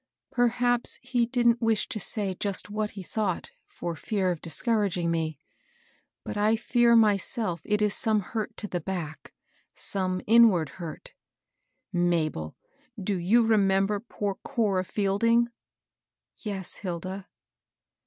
Perhaps he didn't wish to say just what he thought, for fear of discouraging me. But 1 fear myself it is some hurt to the back, — some inward hurt." LITTLE LILLY. 79 " Mabel, do you rememb^ poor Cora Field ing?" « Yes, Hilda."